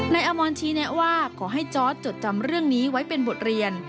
อมอนชี้แนะว่าขอให้จอร์ดจดจำเรื่องนี้ไว้เป็นบทเรียน